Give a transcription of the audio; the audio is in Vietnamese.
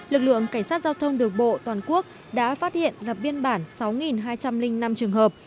lực lượng cảnh sát giao thông đường bộ toàn quốc đã phát hiện lập biên bản sáu hai trăm linh năm trường hợp